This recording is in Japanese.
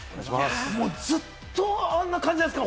ずっとあんな感じなんですか？